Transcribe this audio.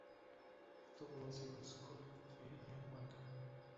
Tuvo dos hijos, Colin e Ian Walker.